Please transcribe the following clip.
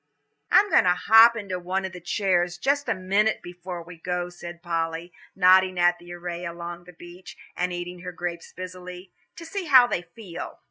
"I'm going to hop into one of the chairs just a minute before we go," said Polly, nodding at the array along the beach, and eating her grapes busily, "to see how they feel."